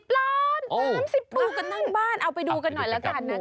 ร้อน๓๐ปูกันทั้งบ้านเอาไปดูกันหน่อยแล้วกันนะคะ